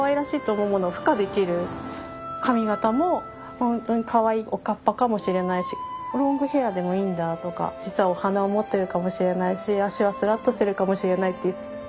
髪形もほんとにかわいいおかっぱかもしれないしロングヘアーでもいいんだとか実はお花を持ってるかもしれないし脚はすらっとしてるかもしれないっていう。